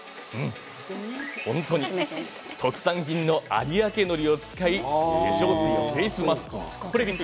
特産品の有明のりを使い化粧水やフェースマスクに。